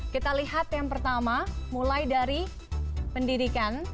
kita lihat yang pertama mulai dari pendidikan